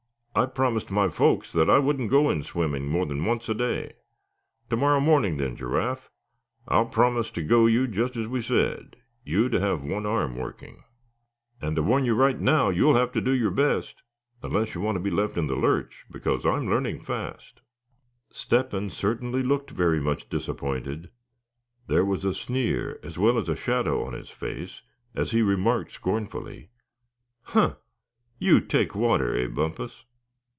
I promised my folks that I wouldn't go in swimming more'n once each day. To morrow morning then, Giraffe, I'll promise to go you just as we said, you to have one arm working. And I warn you right now you'll have to do your best, unless you want to be left in the lurch, because I'm learning fast." Step hen certainly looked very much disappointed. There was a sneer, as well as a shadow on his face, as he remarked scornfully: "Huh! you take water, eh, Bumpus?"